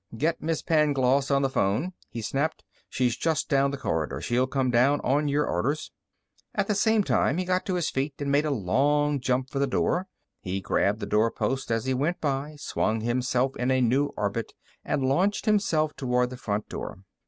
"Get Miss Pangloss on the phone!" he snapped. "She's just down the corridor. She'll come down on your orders." At the same time, he got to his feet and made a long jump for the door. He grabbed the doorpost as he went by, swung himself in a new orbit, and launched himself toward the front door.